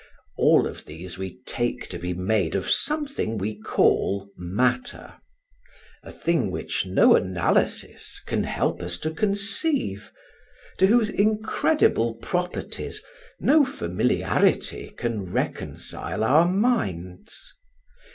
All of these we take to be made of something we call matter: a thing which no analysis can help us to conceive; to whose incredible properties no familiarity can reconcile our minds.